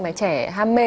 mà trẻ ham mê